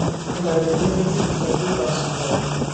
Elle avait hérité du château par son père.